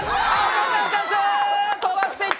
飛ばしていった！